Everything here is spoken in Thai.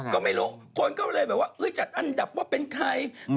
ก็ไม่รู้คนก็เลยแบบว่าจัดอันดับว่าเป็นใคร